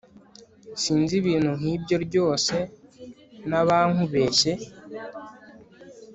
Sinzi ibintu nkibyo ryose nabankubeshye